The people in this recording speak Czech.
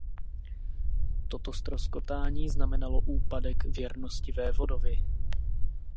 Toto ztroskotání znamenalo úpadek věrnosti vévodovi.